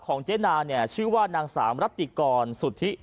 ของเจ๊นาชื่อว่านางสามรัตติกรสุทธิ